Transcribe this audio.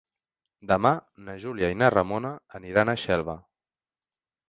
Demà na Júlia i na Ramona aniran a Xelva.